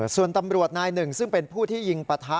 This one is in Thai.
ส่วนตำรวจนายหนึ่งซึ่งเป็นผู้ที่ยิงปะทะ